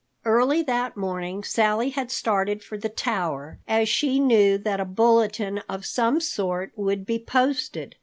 Early that morning Sally had started for the tower, as she knew that a bulletin of some sort would be posted.